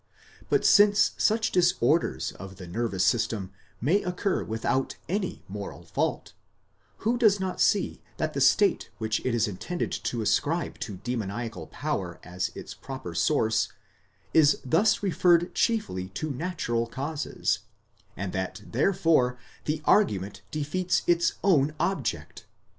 But since such disorders of the nervous system may occur without any moral fault, who does not see that the state which it is intended to ascribe to demoniacal power as its proper source, is thus referred chiefly to natural causes, and that therefore the argument defeats its own object?